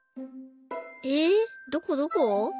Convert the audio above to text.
えっどこどこ？